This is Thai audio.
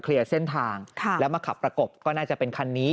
เส้นทางแล้วมาขับประกบก็น่าจะเป็นคันนี้